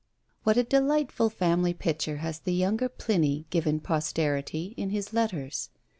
What a delightful family picture has the younger Pliny given posterity in his letters!